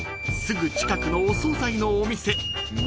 ［すぐ近くのお総菜のお店